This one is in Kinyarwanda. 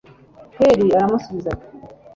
heli aramusubiza ati